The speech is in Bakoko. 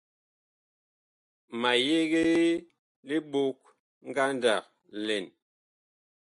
Ma yegee libok ngandag lɛn.